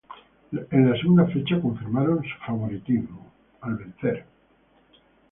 En la segunda fecha y confirmaron su favoritismo al vencer a y respectivamente.